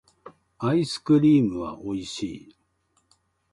アイスクリームはおいしい